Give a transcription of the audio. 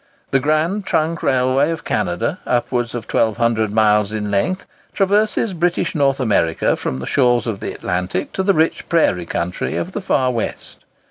The Grand Trunk Railway of Canada, upwards of 1200 miles in length, traverses British North America from the shores of the Atlantic to the rich prairie country of the Far West.